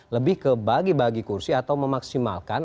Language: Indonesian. lebih kebagi bagi kursi atau memaksimalkan